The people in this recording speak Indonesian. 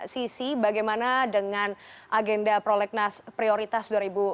sisi bagaimana dengan agenda prolegnas prioritas dua ribu dua puluh